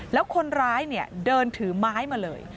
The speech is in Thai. แล้วคนร้ายเนี่ยเดินถือไม้มาเลย